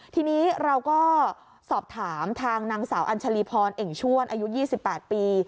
ทีนี้เราก็สอบถามทางนางสาวอัญชาลีพรเอ่งชวนอายุ๒๘ปี